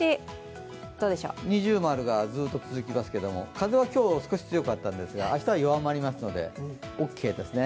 二重丸がずっと続きますが風が今日は強かったんですけれども、明日は弱まりますので、オッケーですね。